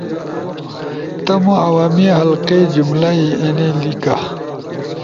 تمو عوامی حلقے جملہ ئی اینی لیِکا